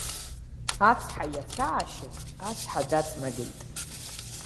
Ацҳа иацәаашьаз ацҳа даҵнагеит.